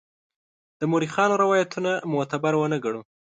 د مورخانو روایتونه معتبر ونه ګڼو.